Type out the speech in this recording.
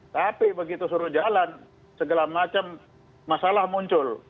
tapi begitu suruh jalan segala macam masalah muncul